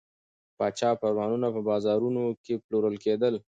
د پاچا فرمانونه په بازارونو کې پلورل کېدل.